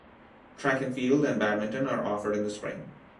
Track and Field and Badminton are offered in the spring.